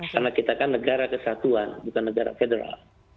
karena kita kan negara kesatuan bukan negara federal